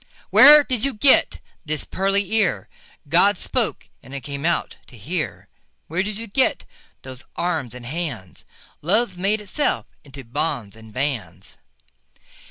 Where did you get this pearly ear? God spoke, and it came out to hear. Where did you get those arms and hands? Love made itself into bonds and bands.